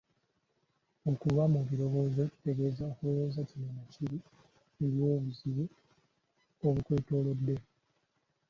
Okuba mu birowoozo kitegeeza kulowooza kino na kiri olw'obuzibu obukwolekedde